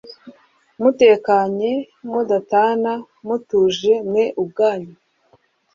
mutekanye mudatana mutuje mwe ubwanyu